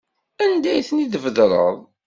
Anda ay ten-id-tbedreḍ?